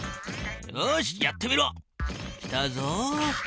よしやってみろ！来たぞ。